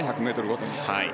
１００ｍごとに。